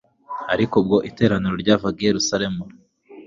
Ariko ubwo iteraniro ryavaga i Yerusalemu,